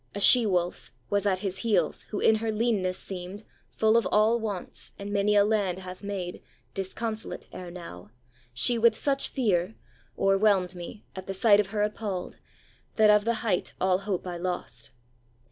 A she wolf Was at his heels, who in her leanness seemed Full of all wants, and many a land hath made Disconsolate ere now. She with such fear O'erwhelmed me, at the sight of her appalled, That of the height all hope I lost.